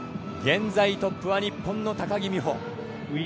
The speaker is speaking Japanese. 現在トップは日本の高木美帆。